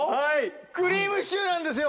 クリームシチューなんですよ